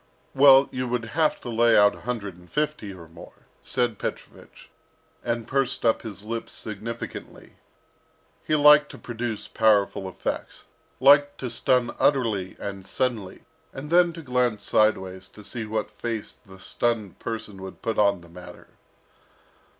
"Well, you would have to lay out a hundred and fifty or more," said Petrovich, and pursed up his lips significantly. He liked to produce powerful effects, liked to stun utterly and suddenly, and then to glance sideways to see what face the stunned person would put on the matter.